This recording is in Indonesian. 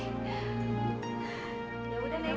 ya udah neda kita tidur cucian ya